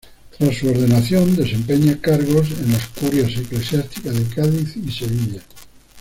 Tras su ordenación desempeña cargos en la curias eclesiásticas de Cádiz y Sevilla.